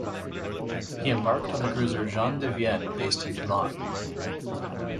He embarked on the cruiser Jean de Vienne based in Toulon.